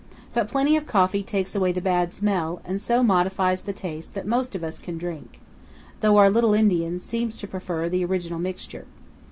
But plenty of coffee takes away the bad smell, and so modifies the taste that most of us can drink, though our little Indian seems to prefer the original mixture.